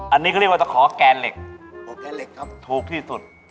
อันนี้ก็เรียกว่าตะขอแกนเหล็กครับถูกที่สุด